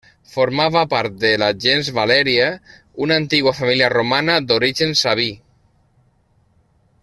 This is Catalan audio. Formava part de la gens Valèria, una antiga família romana d'origen Sabí.